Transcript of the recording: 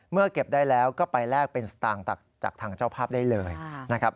เก็บได้แล้วก็ไปแลกเป็นสตางค์จากทางเจ้าภาพได้เลยนะครับ